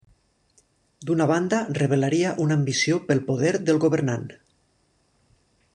D'una banda revelaria una ambició pel poder del governant.